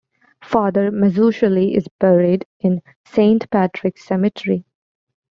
Father Mazzuchelli is buried in Saint Patrick's cemetery.